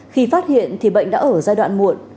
khi phát hiện thì bệnh đã ở giai đoạn muộn